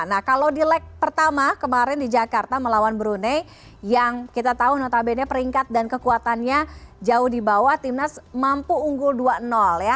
nah kalau di leg pertama kemarin di jakarta melawan brunei yang kita tahu notabene peringkat dan kekuatannya jauh di bawah timnas mampu unggul dua ya